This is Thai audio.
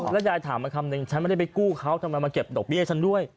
แล้วยายถามมาคำนึงฉันไม่ได้ไปกู้เขาทำไมมาเก็บดอกเบี้ยให้ฉันด้วย